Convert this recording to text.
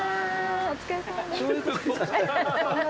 お疲れさまです。